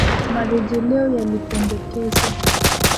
Marejeleo yalipendekezwa